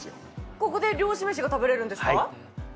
ここで漁師飯が食べれるんですか？